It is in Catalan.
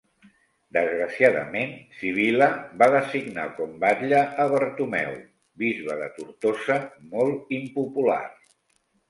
Desgraciadament, Sibil·la va designar com batlle a Bartomeu, bisbe de Tortosa, molt impopular.